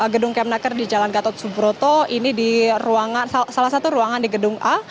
gedung kemnaker di jalan gatot subroto ini di ruangan salah satu ruangan di gedung a